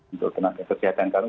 untuk kena kekejahatan kami